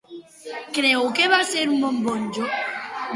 Creu que va ser un bon monjo?